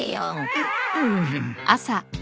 うん。